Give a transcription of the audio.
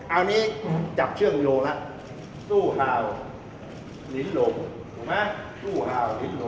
อันนี้จับเชื่องโยงละตู้หาวลิ้นหลงถูกมั้ย